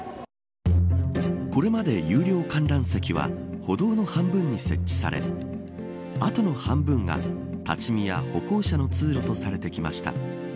これまで有料観覧席は歩道の半分に設置されあとの半分が立ち見や歩行者の通路とされてきました。